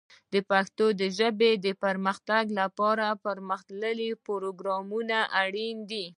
د پښتو ژبې د پرمختګ لپاره پرمختللي پروګرامونه اړین دي.